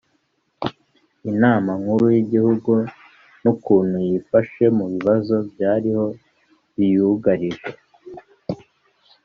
Inama Nkuru y'Igihugu n'ukuntu yifashe mu bibazo byariho biyugarije